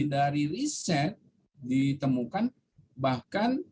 dari riset ditemukan bahkan